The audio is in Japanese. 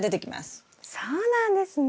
そうなんですね。